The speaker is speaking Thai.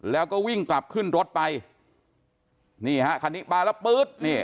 แล้วก็วิ่งกลับขึ้นรถไปนี่ฮะคันนี้มาแล้วปื๊ดนี่